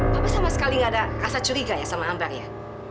papa sama sekali nggak ada rasa curiga sama ambar ya